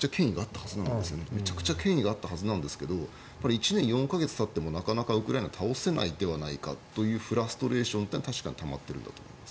従来はめちゃくちゃ権威があったはずなんですが１年４か月たってもなかなかウクライナを倒せないではないかというフラストレーションは確かにたまっているんだと思います。